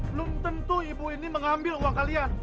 belum tentu ibu ini mengambil uang kalian